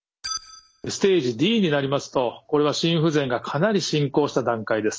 ステージＤになりますとこれは心不全がかなり進行した段階です。